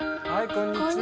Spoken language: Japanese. こんにちは。